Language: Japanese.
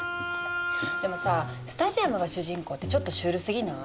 でもさぁスタジアムが主人公ってちょっとシュールすぎない？